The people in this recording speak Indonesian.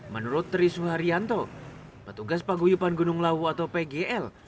menurut trisuh haryanto petugas paguyupan gunung lawu atau pgl